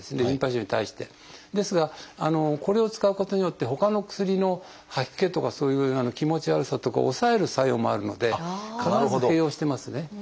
ですがこれを使うことによってほかの薬の吐き気とかそういう気持ち悪さとかを抑える作用もあるので必ず併用してますね。